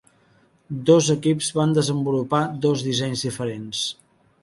Dos equips van desenvolupar dos dissenys diferents.